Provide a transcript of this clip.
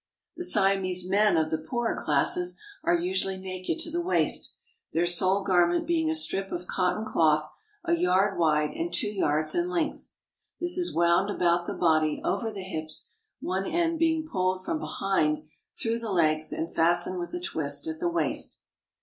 The Siamese men of the poorer classes are usually Siamese Man. CARP. ASIA — 12 194 THE KING OF SIAM AND HIS GOVERNMENT naked to the waist, their sole garment being a strip of cotton cloth a yard wide and two yards in length. This is wound about the body over the hips, one end being pulled from behind through the legs and fastened with a twist at the waist.